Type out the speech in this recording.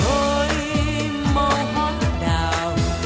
ôi máu hoa đào